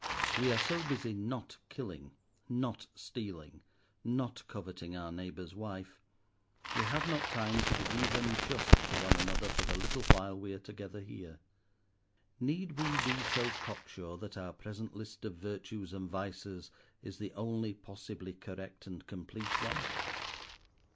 We are so busy not killing, not stealing, not coveting our neighbour's wife, we have not time to be even just to one another for the little while we are together here. Need we be so cocksure that our present list of virtues and vices is the only possibly correct and complete one?